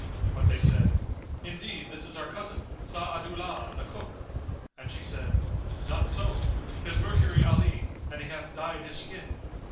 But they said, "Indeed this is our cousin Sa'adu'llah the cook;" and she, "Not so, 'tis Mercury Ali, and he hath dyed his skin."